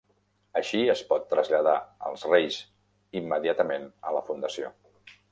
Així, es pot traslladar els reis immediatament a la fundació.